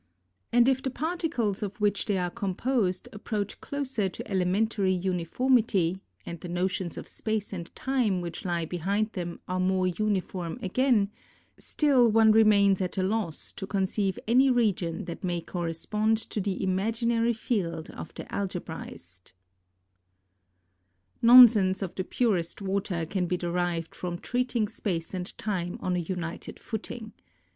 And if the particles of which they are composed apprpach closer to elementary uniformity, and the notions of space and time which lie behind them are more uniform again, still one remains at a loss to conceive any region that may correspond to the imaginary field of the algebraist. 12 ON GRAVITATION Nonsense of thie purest water can be derived from treating space and time on a united footing.